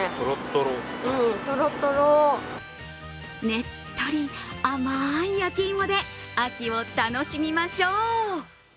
ねっとり甘い焼き芋で秋を楽しみましょう！